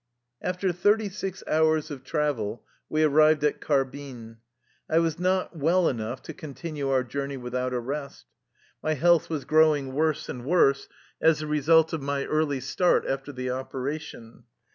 After thirty six hours of travel we arrived at Kharbin. I was not well enough to continue our journey without a rest. My health was growing worse and worse, as the result of my early start after the operation.